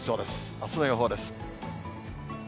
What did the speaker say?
あすの予報です。